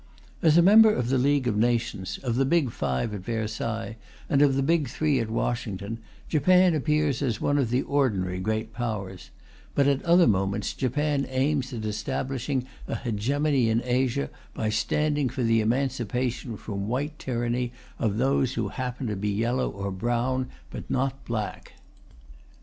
As a member of the League of Nations, of the Big Five at Versailles, and of the Big Three at Washington, Japan appears as one of the ordinary Great Powers; but at other moments Japan aims at establishing a hegemony in Asia by standing for the emancipation from white tyranny of those who happen to be yellow or brown, but not black.